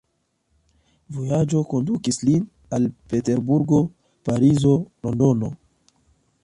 Vojaĝoj kondukis lin al Peterburgo, Parizo, Londono.